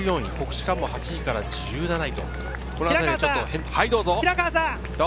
国士舘も８位から１７位。